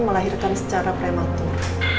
melahirkan secara prematur